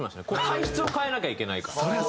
体質を変えなきゃいけないから。